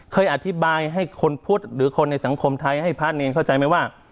เคยอธิบายให้คนพุทธหรือคนในสังคมไทยให้พระเนรเข้าใจไหมว่า